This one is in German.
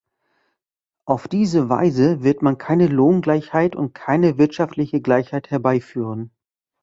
Auf diese Weise wird man keine Lohngleichheit und keine wirtschaftliche Gleichheit herbeiführen.